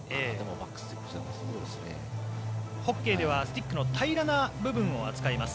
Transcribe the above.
ホッケーではスティックの平らな部分を扱います。